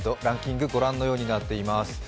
ランキング、御覧のようになっています。